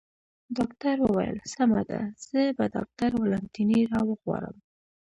ډاکټر وویل: سمه ده، زه به ډاکټر والنتیني را وغواړم.